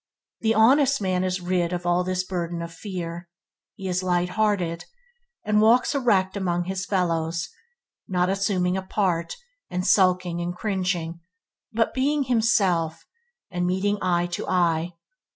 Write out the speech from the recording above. The honest man is rid of all this burden of fear. He is light hearted, and walks erect among his fellows; not assuming a part, and skulking and cringing, but being himself, and meeting eye to eye.